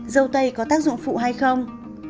dâu tây có tác dụng phụ hay không